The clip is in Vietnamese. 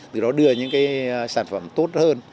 từ đó đưa những cái sản phẩm tốt hơn